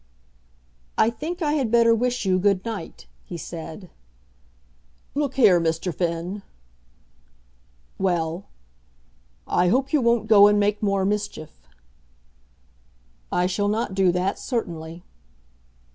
"I think I had better wish you good night," he said. "Look here, Mr. Finn." "Well?" "I hope you won't go and make more mischief." "I shall not do that, certainly."